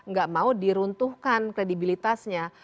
gak mau diruntuhkan kredibilitasnya